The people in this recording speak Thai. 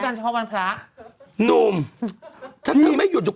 เป็นการกระตุ้นการไหลเวียนของเลือด